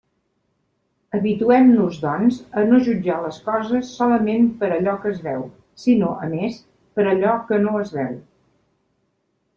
Habituem-nos, doncs, a no jutjar les coses solament per allò que es veu, sinó, a més, per allò que no es veu.